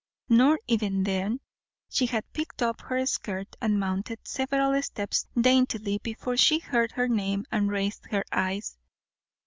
Nor even then; she had picked up her skirt and mounted several steps daintily before she heard her name and raised her eyes.